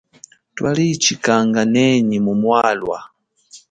Twali chikanga nenyi mu mamwalwa.